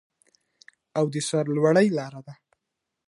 او د سرلوړۍ لاره ده.